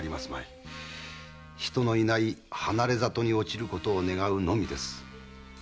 人のいない離れ里に落ちることを願うのみです。